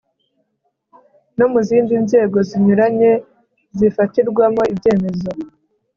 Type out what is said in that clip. no mu zindi nzego zinyuranye zifatirwamo ibyemezo